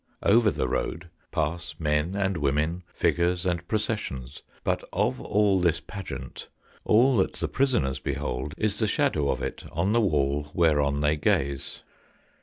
Over the road pass men and women, figures and pro cessions, but of all this pageant all that the prisoners behold is the shadow of it on the wall whereon they gaze.